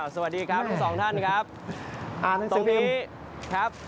สวัสดีครับทุกสองท่านครับ